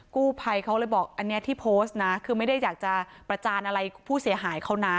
กู้ภัยเขาเลยบอกอันนี้ที่โพสต์นะคือไม่ได้อยากจะประจานอะไรผู้เสียหายเขานะ